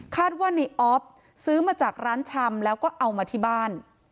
ว่าในออฟซื้อมาจากร้านชำแล้วก็เอามาที่บ้าน